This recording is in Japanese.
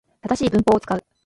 正しい文法を使う